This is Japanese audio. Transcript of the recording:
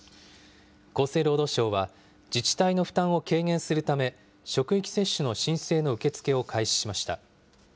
厚生労働省は、自治体の負担を軽減するため、職域接種の申請の受け付けを開始しました。